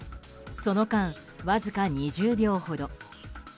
その間、わずか２０秒ほど。